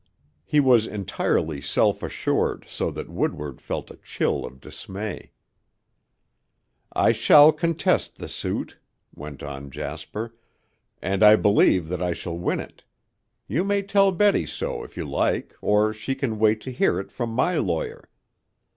He was entirely self assured so that Woodward felt a chill of dismay. "I shall contest the suit," went on Jasper, "and I believe that I shall win it. You may tell Betty so if you like or she can wait to hear it from my lawyer."